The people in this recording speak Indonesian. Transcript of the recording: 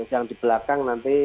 yang di belakang